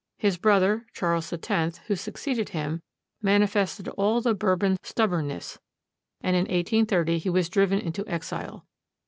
His brother, Charles X, who succeeded him, manifested all the Bourbon stubbornness, and in 1830 he was driven into exile.